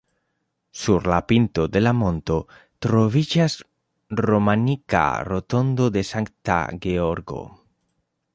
Sur la pinto de la monto troviĝas romanika rotondo de Sankta Georgo.